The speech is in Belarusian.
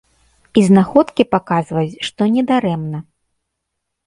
І знаходкі паказваюць, што недарэмна.